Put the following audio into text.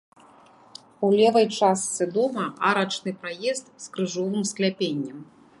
У левай частцы дома арачны праезд з крыжовым скляпеннем.